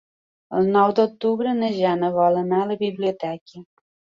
El nou d'octubre na Jana vol anar a la biblioteca.